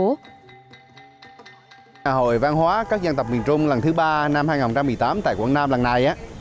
ngày hội văn hóa các dân tộc miền trung lần thứ ba năm hai nghìn một mươi tám tại quảng nam lần này